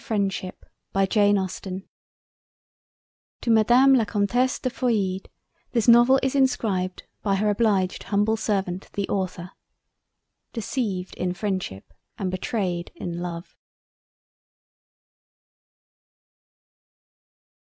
LOVE AND FREINDSHIP TO MADAME LA COMTESSE DE FEUILLIDE THIS NOVEL IS INSCRIBED BY HER OBLIGED HUMBLE SERVANT THE AUTHOR. "Deceived in Freindship and Betrayed in Love."